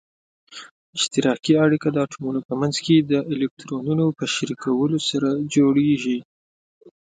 اشتراکي اړیکه د اتومونو په منځ کې د الکترونونو په شریکولو سره جوړیږي.